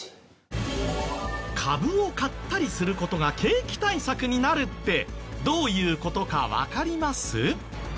株を買ったりする事が景気対策になるってどういう事かわかります？